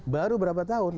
baru berapa tahun